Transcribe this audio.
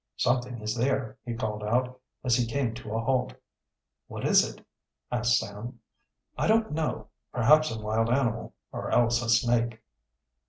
"Something is there," he called out, as he came to a halt. "What is it?" asked Sam. "I don't know. Perhaps some wild animal, or else a snake."